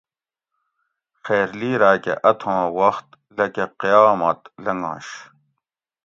خیرلی راکہ اتوں وخت لکہ قیامت لنگونش